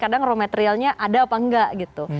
kadang raw materialnya ada apa enggak gitu